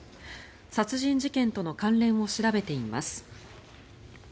殺人事件との関連を調べています。